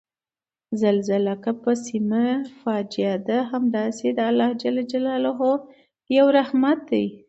زلزله که په یوه سیمه فاجعه ده، همداسې د خدای یو رحمت دی